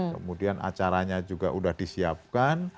kemudian acaranya juga sudah disiapkan